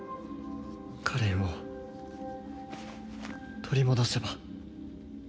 カレンを取り戻せば。